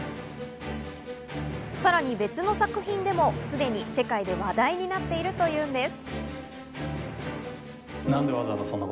さらに別の作品でも、すでに世界で話題になっているというんです。